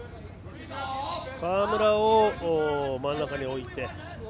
川村を真ん中に置いて。